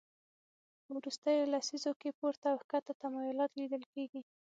په وروستیو لسیزو کې پورته او کښته تمایلات لیدل کېږي